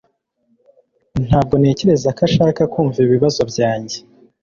Ntabwo ntekereza ko ushaka kumva ibibazo byanjye.